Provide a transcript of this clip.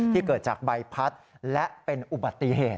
เกิดจากใบพัดและเป็นอุบัติเหตุ